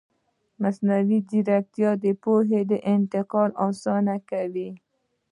مصنوعي ځیرکتیا د پوهې انتقال اسانه کوي.